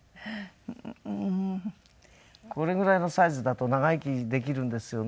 これぐらいのサイズだと長生きできるんですよね。